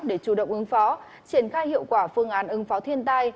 để chủ động ứng phó triển khai hiệu quả phương án ứng phó thiên tai